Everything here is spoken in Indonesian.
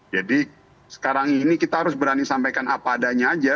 jadi sekarang ini kita harus berani sampaikan apa adanya aja